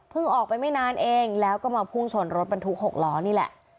ออกไปไม่นานเองแล้วก็มาพุ่งชนรถบรรทุก๖ล้อนี่แหละ